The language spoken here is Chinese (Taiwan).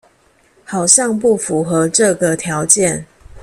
好像不符合這個條件